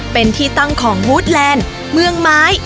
เป็นที่ตั้งของฮูดแลนด์เมืองไม้